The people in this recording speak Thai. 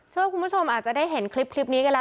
เชื่อว่าคุณผู้ชมอาจจะได้เห็นคลิปนี้กันแล้ว